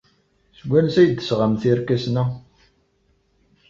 Seg wansi ay d-tesɣamt irkasen-a?